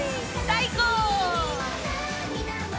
最高！